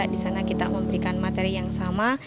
di sana kita memberikan materi yang sama